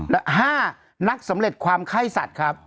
และ๕นักสำเร็จความไข้สัตว์ครับ